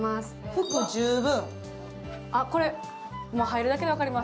服十分。